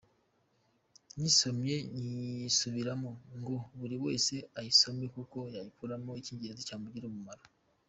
Nyisomye nyisubiramo ngo buri wese ayisome kuko yakuramo ikingenzi cyamugirira umumaro.